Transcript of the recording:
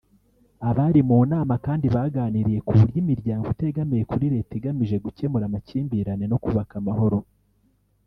Abari mu nama kandi baganiriye ku buryo imiryango itegamiye kuri Leta igamije gukemura amakimbirane no kubaka amahoro